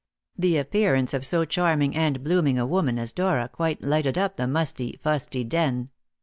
The appearance of so charming and blooming a woman as Dora quite lighted up the musty, fusty den.